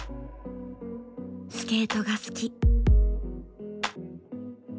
スケートが好き。